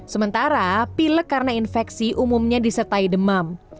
sementara pilek karena infeksi umumnya disertai demam